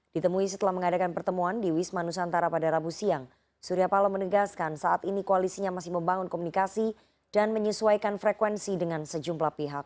ditemui setelah mengadakan pertemuan di wisma nusantara pada rabu siang surya paloh menegaskan saat ini koalisinya masih membangun komunikasi dan menyesuaikan frekuensi dengan sejumlah pihak